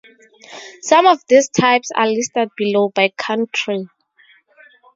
Some of these types are listed below, by country.